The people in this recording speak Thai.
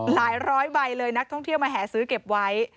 ร้อยใบเลยนักท่องเที่ยวมาแห่ซื้อเก็บไว้